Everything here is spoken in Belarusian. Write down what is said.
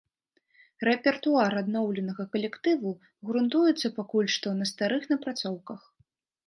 Рэпертуар адноўленага калектыву грунтуецца пакуль што на старых напрацоўках.